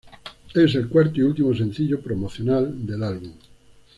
Es el cuarto y último sencillo promocional del álbum.